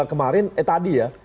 kemarin eh tadi ya